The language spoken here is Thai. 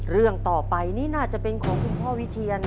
เรื่องต่อไปนี่น่าจะเป็นของคุณพ่อวิเชียน